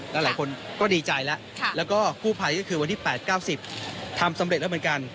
หลายคนก็ดีใจแล้วแล้วก็กู้ภัยก็คือวันที่๘๙๐ทำสำเร็จแล้วเหมือนกัน